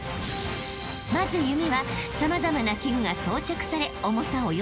［まず弓は様々な器具が装着され重さ］